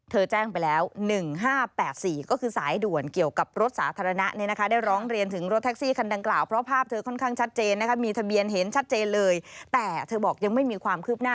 เธอแจ้งไปแล้ว๑๕๘๔ก็คือสายด่วนเกี่ยวกับรถสาธารณะได้ร้องเรียนถึงรถแท็กซี่คันดังกล่าว